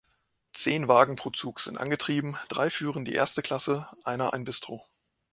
Zehn Wagen pro Zug sind angetrieben, drei führen die erste Klasse, einer ein Bistro.